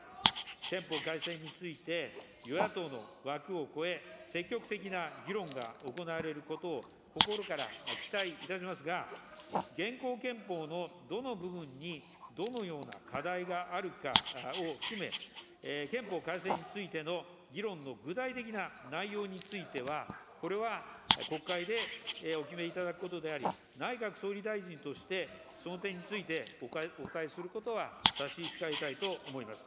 憲法改正について、与野党の枠を超え、積極的な議論が行われることを心から期待いたしますが、現行憲法のどの部分にどのような課題があるかを含め、憲法改正についての議論の具体的な内容については、これは国会でお決めいただくことであり、内閣総理大臣としてその点についてお答えすることは差し控えたいと思います。